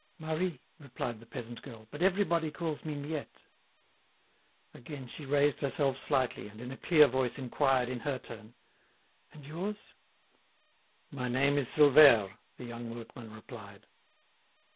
"Marie," replied the peasant girl; "but everybody calls me Miette." Again she raised herself slightly, and in a clear voice inquired in her turn: "And yours?" "My name is Silvère," the young workman replied.